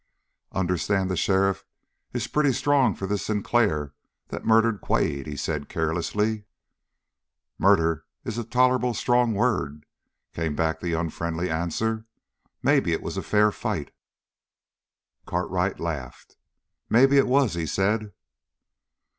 "Understand the sheriff is pretty strong for this Sinclair that murdered Quade," he said carelessly. "'Murder' is a tolerable strong word," came back the unfriendly answer. "Maybe it was a fair fight." Cartwright laughed. "Maybe it was," he said.